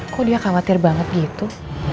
kok dia khawatir banget gitu